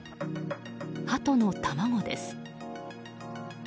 ハトの卵です。